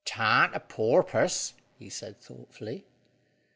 "'Tarnt a porpus," he said thoughtfully.